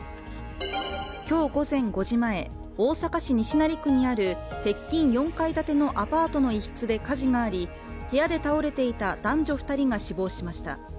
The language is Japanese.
今日午前５時前、大阪市西成区にある鉄筋４階建てのアパートの一室で火事があり部屋で倒れていた男女２人が死亡しました。